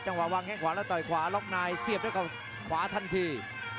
จังหวะวางแข้งขวาแล้วต่อยขวารอบนายเสียบด้วยกับขวาทันที